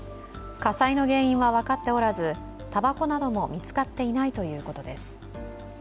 火災の原因は分かっておらず、たばこなども見つかっていないということです。